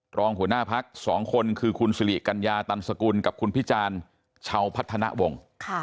รองหัวหน้าพัก๒คนคือคุณสิริกัญญาตันสกุลกับคุณพิจารณ์ชาวพัฒนาวงศ์